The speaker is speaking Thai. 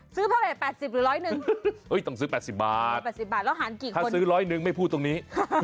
ซื้อประเภท๘๐หรือร้อยนึงต้องซื้อ๘๐บาทถ้าซื้อร้อยนึงไม่พูดตรงนี้